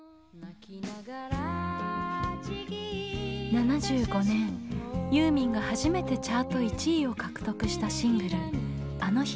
７５年ユーミンが初めてチャート１位を獲得したシングル「あの日にかえりたい」。